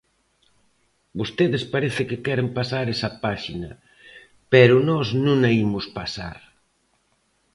Vostedes parece que queren pasar esa páxina, pero nós non a imos pasar.